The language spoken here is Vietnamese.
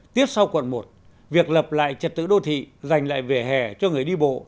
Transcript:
tiếp sau quận một việc lập lại trật tự đô thị dành lại vỉa hè cho người đi bộ